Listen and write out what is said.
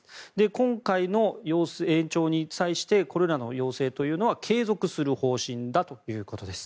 今回の延長に際してこれらの要請については継続する方針だということです。